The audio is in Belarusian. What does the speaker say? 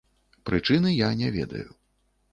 Прычыны я не ведаю.